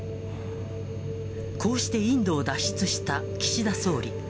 こうしてインドを脱出した岸田総理。